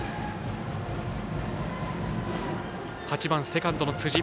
８番、セカンドの辻。